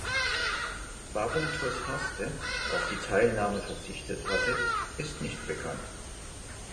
Warum TuS Haste auf die Teilnahme verzichtet hatte, ist nicht bekannt.